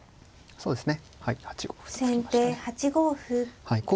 そうですね。